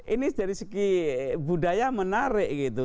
ini dari segi budaya menarik gitu